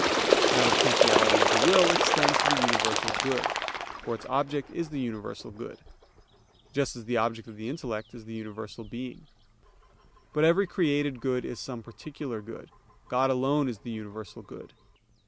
Now the potentiality of the will extends to the universal good; for its object is the universal good; just as the object of the intellect is the universal being. But every created good is some particular good; God alone is the universal good.